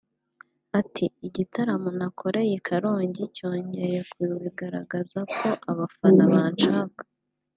Ati “Igitaramo nakoreye i Karongi cyongeye kubigaragaza ko abafana banshaka